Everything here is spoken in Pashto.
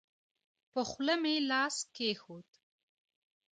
په خوله مې لاس کېښود.